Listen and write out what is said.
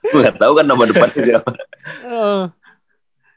lu gak tau kan nama depannya siapa